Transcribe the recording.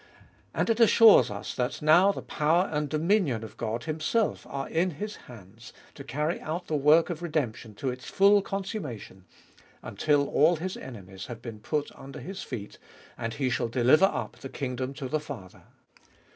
And it assures us that now the power and dominion of God Himself are in His hands, to carry out the work of redemption to its full consummation, until all His enemies have been put under His feet, and He shall deliver up the kingdom to the Father.